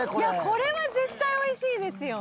これは絶対美味しいですよ。